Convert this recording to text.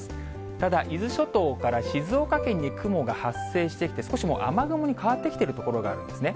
ただ、伊豆諸島から静岡県に雲が発生してきて、少し雨雲に変わってきている所があるんですね。